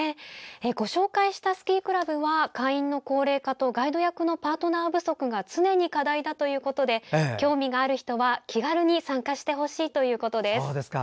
ご紹介したスキークラブは会員の高齢化とガイド役のパートナー不足が常に課題だということで興味がある人は、気軽に参加してほしいということです。